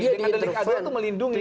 dia itu melindungi